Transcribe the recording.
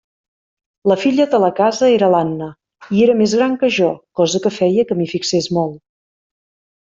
La filla de la casa era l'Anna, i era més gran que jo, cosa que feia que m'hi fixés molt.